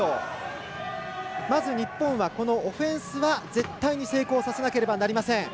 まず日本はオフェンスは絶対に成功させなければいけません。